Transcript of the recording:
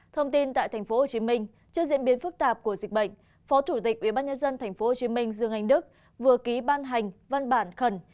thông tin tại tp hcm trước diễn biến phức tạp của dịch bệnh phó chủ tịch ubnd tp hcm dương anh đức vừa ký ban hành văn bản khẩn